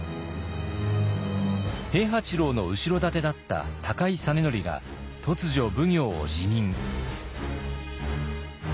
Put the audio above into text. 平八郎の後ろ盾だった高井実徳が突如奉行を辞任。